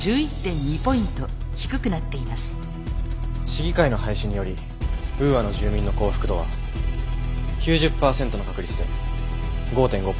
市議会の廃止によりウーアの住民の幸福度は９０％の確率で５．５ポイント上昇します。